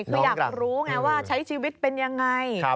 คืออยากรู้ไงว่าใช้ชีวิตเป็นยังไง